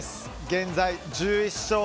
現在１１勝。